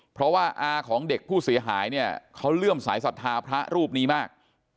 เพราะว่าอาของเด็กผู้เสียหายเนี่ยเขาเลื่อมสายศรัทธาพระรูปนี้มาก